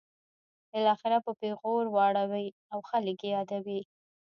بالاخره په پیغور واړوي او خلک یې یادوي.